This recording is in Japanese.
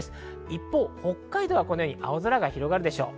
一方、北海道は青空が広がるでしょう。